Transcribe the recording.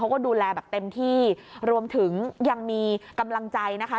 เขาก็ดูแลแบบเต็มที่รวมถึงยังมีกำลังใจนะคะ